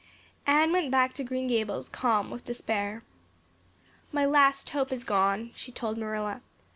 Anne went back to Green Gables calm with despair. "My last hope is gone," she told Marilla.